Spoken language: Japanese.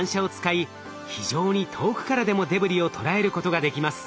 非常に遠くからでもデブリを捉えることができます。